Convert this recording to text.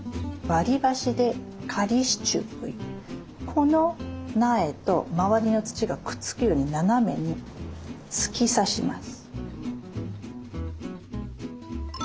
この苗と周りの土がくっつくように斜めに突き刺します。